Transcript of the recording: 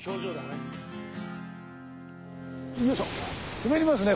滑りますね